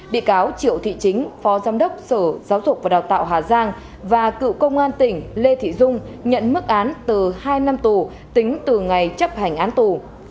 bị cáo triệu thị chính phó giám đốc sở giáo dục và đào tạo hà giang và cựu công an tỉnh lê thị dung nhận mức án từ hai năm tù tính từ ngày chấp hành án tù